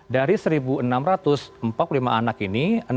dari satu enam ratus empat puluh lima anak ini